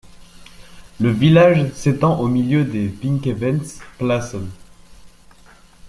Le village s'étend au milieu des Vinkeveense Plassen.